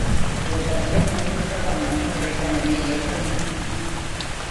ஒரு கத்தை நோட்டுக்கள் அவனுக்குக் கிடைத்தனவே, எப்படி?